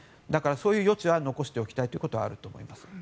そういう余地は残しておきたいということはあると思います。